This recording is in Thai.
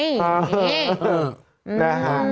อ๋อฮือ